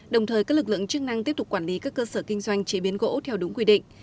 đồng thời các lực lượng chức năng tiếp tục quản lý các cơ sở kinh doanh chế biến gỗ theo đúng quy định